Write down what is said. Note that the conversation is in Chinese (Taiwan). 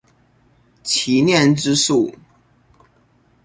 祈念之樹